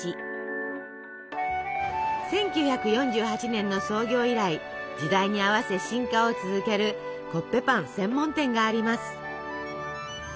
１９４８年の創業以来時代に合わせ進化を続けるコッペパン専門店があります。